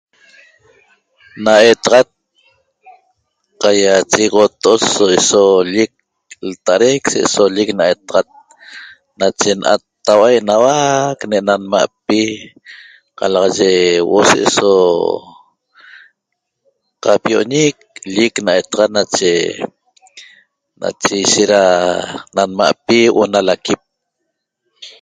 Na etaxat qaiachegoxoto'ot se'eso llic lta'adaic se'eso llic na etaxat nache na'attau'a enauac ne'na nma'pi qalaxaye huo'o se'eso qapio'oñic llic na etaxat nache nache ishet da na nma'pi huo'o na laquip